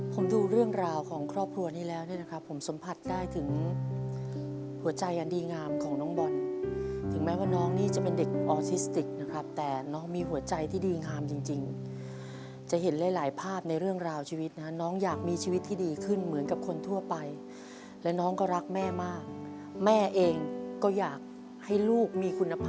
ผมดูเรื่องราวของครอบครัวนี้แล้วเนี่ยนะครับผมสัมผัสได้ถึงหัวใจอันดีงามของน้องบอลถึงแม้ว่าน้องนี่จะเป็นเด็กออทิสติกนะครับแต่น้องมีหัวใจที่ดีงามจริงจะเห็นหลายหลายภาพในเรื่องราวชีวิตนะน้องอยากมีชีวิตที่ดีขึ้นเหมือนกับคนทั่วไปและน้องก็รักแม่มากแม่เองก็อยากให้ลูกมีคุณภาพ